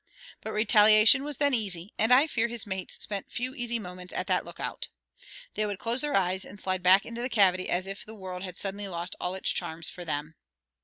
But retaliation was then easy, and I fear his mates spent few easy moments at that lookout. They would close their eyes and slide back into the cavity as if the world had suddenly lost all its charms for them.